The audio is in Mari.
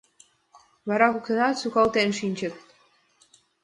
Вара коктынат сукалтен шинчыт.